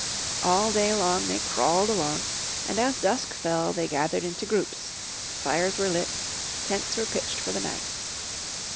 All day long they crawled along and as dusk fell they gathered into groups. Fires were lit, tents pitched for the night.